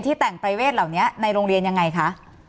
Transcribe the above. ที่แต่งปริเวทเหล่านี้นัยโรงเรียนอย่างไรคะ